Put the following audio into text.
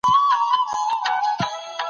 تعزيرات هغه جزاوي دي، چي شريعت تعين کړي نه وي